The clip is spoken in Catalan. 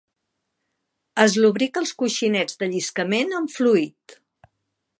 Es lubrica els coixinets de lliscament amb fluid.